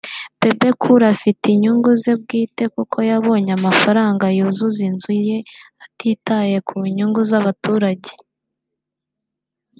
Bebe Cool afite inyungu ze bwite kuko yabonye amafaranga yuzuza inzu ye atitaye ku nyungu z’abaturage